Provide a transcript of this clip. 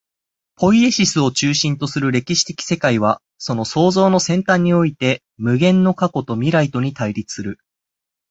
ポイエシスを中心とする歴史的世界は、その創造の尖端において、無限の過去と未来とに対立する。